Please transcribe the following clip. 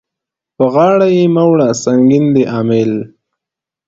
په غاړه يې مه وړه سنګين دی امېل.